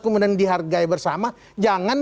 kemudian dihargai bersama jangan